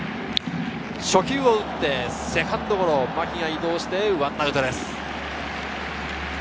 初球を打ってセカンドゴロ、牧が移動して、１アウトです。